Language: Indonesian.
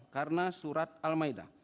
karena surat al maida